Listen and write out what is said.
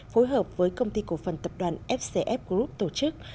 phối hợp với công ty cổ phần tập đoàn fcf group tổ chức